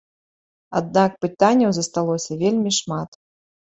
Аднак пытанняў засталося вельмі шмат.